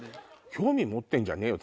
興味持ってんじゃねえよ！